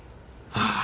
ああ。